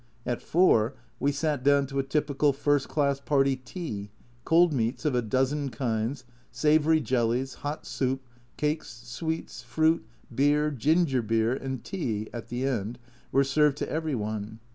At 4 we sat down to a typical "first class party" tea cold meats of a dozen kinds, savoury jellies, hot soup, cakes, sweets, fruit, beer, ginger beer and tea (at the end) were served to every one.